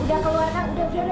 udah keluar kang udah udah